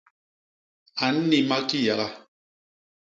A nnima kiyaga.